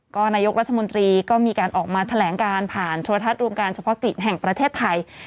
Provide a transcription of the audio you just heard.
ก็นายกรัฐมนตรีก็มีการออกมาแถลงการผ่านโทรทัศน์รวมการเฉพาะกิจแห่งประเทศไทย